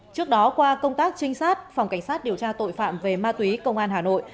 trước đó qua công tác trinh sát phòng cảnh sát điều tra tội phạm về ma túy công an hà nội